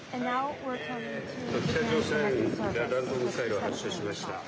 北朝鮮が弾道ミサイルを発射しました。